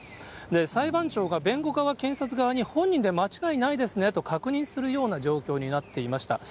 裁判長が弁護側、検察側に本人で間違いないですねと確認するような状況になっていました。